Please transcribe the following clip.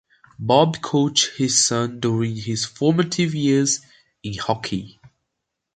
Bob coached his son during his formative years in hockey.